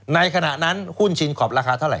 ในขณะนั้นหุ้นชินคอปราคาเท่าไ